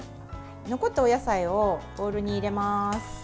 残ったお野菜をボウルに入れます。